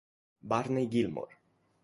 Barney Gilmore